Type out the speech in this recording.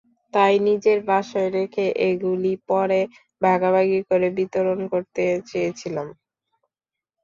তাই নিজের বাসায় রেখে এইগুলি পরে ভাগাভাগি করে বিতরণ করতে চেয়েছিলাম।